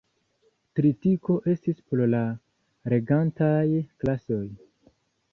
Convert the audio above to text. Tritiko estis por la regantaj klasoj.